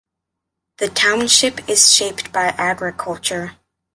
The township is shaped by agriculture.